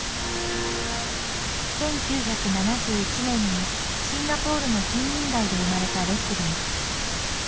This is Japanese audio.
１９７１年にシンガポールの貧民街で生まれたレスリー。